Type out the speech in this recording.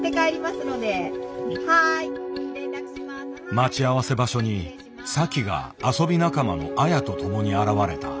待ち合わせ場所にサキが遊び仲間のアヤと共に現れた。